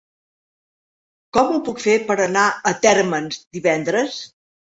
Com ho puc fer per anar a Térmens divendres?